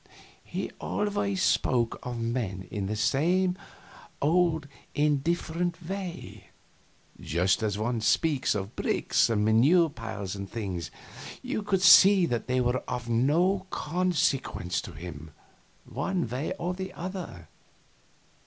He always spoke of men in the same old indifferent way just as one speaks of bricks and manure piles and such things; you could see that they were of no consequence to him, one way or the other.